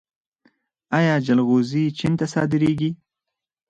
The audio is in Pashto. آیا جلغوزي چین ته صادریږي؟